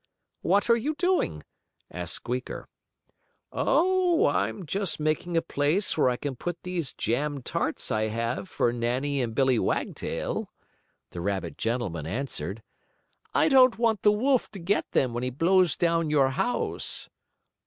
"What are you doing?" asked Squeaker. "Oh, I'm just making a place where I can put these jam tarts I have for Nannie and Billie Wagtail," the rabbit gentleman answered. "I don't want the wolf to get them when he blows down your house."